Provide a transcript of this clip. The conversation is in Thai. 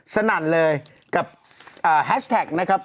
สนั่นเลยกับแฮชแท็กนะครับ